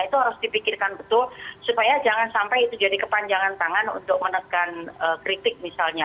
itu harus dipikirkan betul supaya jangan sampai itu jadi kepanjangan tangan untuk menekan kritik misalnya